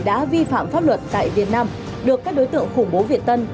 đã vi phạm pháp luật tại việt nam được các đối tượng khủng bố việt tân